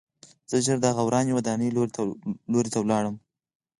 زه ژر د هغې ورانې ودانۍ لور ته لاړم